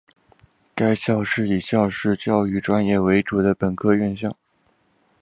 该校是以教师教育专业为主的本科院校。